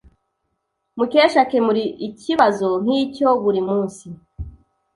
Mukesha akemura ikibazo nkicyo buri munsi.